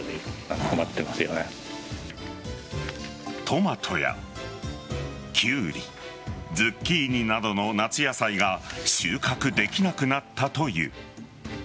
トマトやキュウリズッキーニなどの夏野菜が収穫できなくなったという。